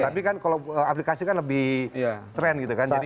tapi kan kalau aplikasi kan lebih trend gitu kan